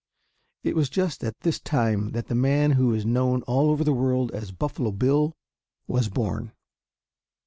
It was just at this time that the man who is known all over the world as Buffalo Bill was born.